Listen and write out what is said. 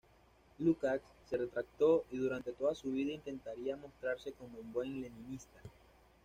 Lukács se retractó, y durante toda su vida intentaría mostrarse como buen leninista.